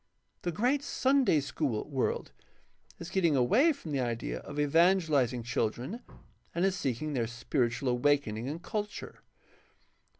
The great Sunday school world is getting away from the idea of evangelizing children and is seeking their spiritual awaken ing and culture.